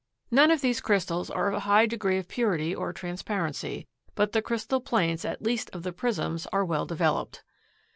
None of these crystals are of a high degree of purity or transparency, but the crystal planes at least of the prisms are well developed.